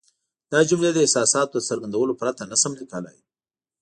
دا جملې د احساساتو د څرګندولو پرته نه شم لیکلای.